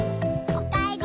おかえり！